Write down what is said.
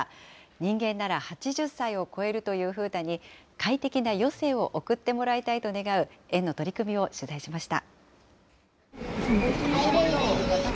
人間なら８０歳を超えるという風太に、快適な余生を送ってもらいたいと願う園の取り組みを取材しました。